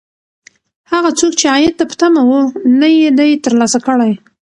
هغه څوک چې عاید ته په تمه و، نه یې دی ترلاسه کړی.